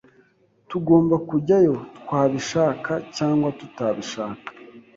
Tugomba kujyayo twabishaka cyangwa tutabishaka.